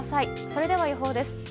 それでは予報です。